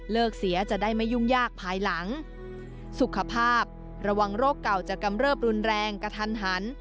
เสียจะได้ไม่ยุ่งยากภายหลังสุขภาพระวังโรคเก่าจะกำเริบรุนแรงกระทันหัน